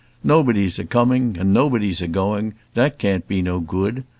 Nobody's a coming and nobody's a going; that can't be no gude.